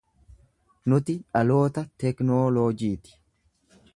Nuti dhaloota tekinooloojiiti.